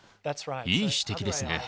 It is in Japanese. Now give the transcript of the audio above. いい指摘ですね。